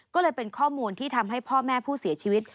ก็เลยเป็นข้อมูลที่ทำให้พ่อแม่ผู้เสียชีวิต